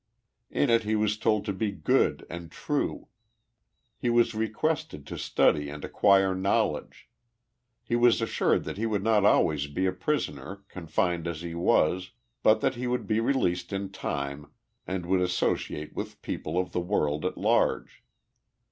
In it he was told to be good and true. He was re quested to study and acquire knowledge. He was assured that he would not always be a prisoner, confined as he was, but that he would be released in time and would associate with people of the world at large.